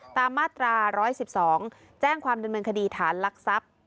ตามมาตรา๑๑๒แจ้งความเป็นบริเวณคดีฐานลักษัพธ์